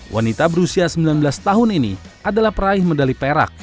wanita berusia sembilan belas tahun ini adalah peraih medali perak